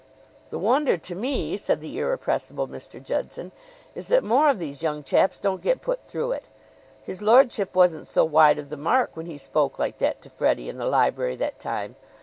"The wonder to me," said the irrepressible Mr. Judson, "is that more of these young chaps don't get put through it. His lordship wasn't so wide of the mark when he spoke like that to Freddie in the library that time.